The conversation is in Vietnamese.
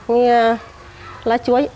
như lá chuối